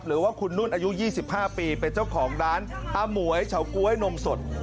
หรือว่าคุณนุ่นอายุ๒๕ปีเป็นเจ้าของร้านอาหมวยเฉาก๊วยนมสด